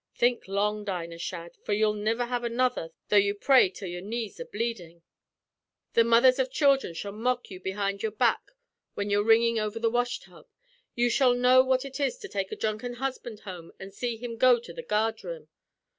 Think long, Dinah Shadd, for you'll niver have another tho' you pray till your knees are bleedin'. The mothers av children shall mock you behind your back whin you're wringin' over the wash tub. You shall know what ut is to take a dhrunken husband home an' see him go to the gyard room.